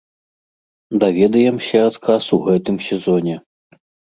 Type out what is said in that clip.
Даведаемся адказ у гэтым сезоне.